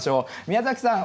宮崎さん